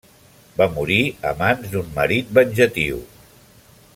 Va morir a mans d'un marit venjatiu.